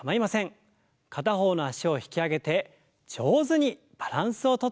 片方の脚を引き上げて上手にバランスをとっていきましょう。